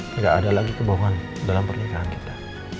tidak ada lagi kebohongan dalam pernikahan kita